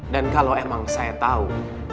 dan kalau emang saya tahu